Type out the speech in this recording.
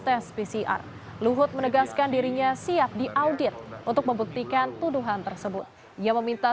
tes pcr luhut menegaskan dirinya siap diaudit untuk membuktikan tuduhan tersebut ia meminta